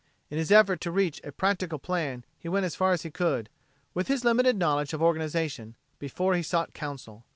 In his effort to reach a practical plan he went as far as he could, with his limited knowledge of organization, before he sought counsel.